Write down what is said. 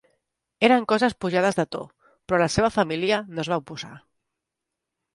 Eren coses pujades de to, però la seva família no es va oposar.